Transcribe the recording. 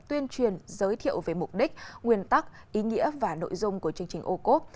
tuyên truyền giới thiệu về mục đích nguyên tắc ý nghĩa và nội dung của chương trình ocov